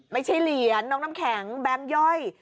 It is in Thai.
ไม่ใช่เหรียญน้องน้ำแข็งแบงค์ย่อย